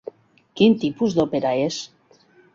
Quin tipus d'òpera és?